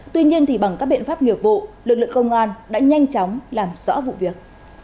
tuy nhiên bằng các biện pháp nghiệp vụ lực lượng công an đã nhanh chóng làm rõ vụ việc